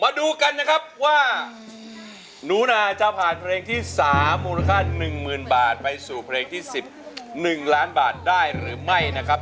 มาดูกันนะครับว่าหนูนาจะผ่านเพลงที่๓มูลค่า๑๐๐๐บาทไปสู่เพลงที่๑๑ล้านบาทได้หรือไม่นะครับ